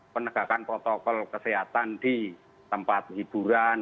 penegakan protokol kesehatan di tempat hiburan